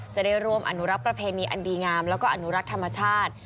จะได้ร่วมอนุรักษ์ประเพณีอันดีงามแล้วก็อนุรักษ์ธรรมชาติ